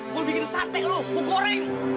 mau bikin sate lu mau goreng